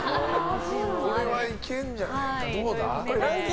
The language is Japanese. これはいけるんじゃないかどうだ。